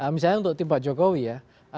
misalnya untuk tim pak jokowi ya